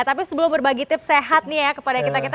tapi sebelum berbagi tips sehat nih ya kepada kita kita